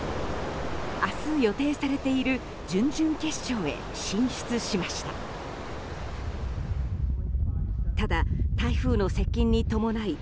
明日予定されている準々決勝へ進出しました。